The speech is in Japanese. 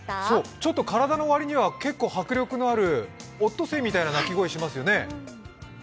ちょっと体の割には結構迫力のある、オットセイみたいな鳴き声してますよね。